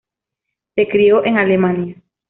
Se crio en Alemania.